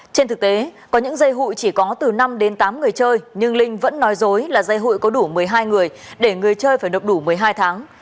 trên thực tế có những dây hụi chỉ có từ năm đến tám người chơi nhưng linh vẫn nói dối là dây hụi có đủ một mươi hai người để người chơi phải nộp đủ một mươi hai tháng